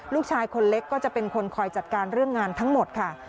ลูกชายคนเล็กก็จะเป็นคนคอยจัดการเรื่องงานทั้งหมดค่ะ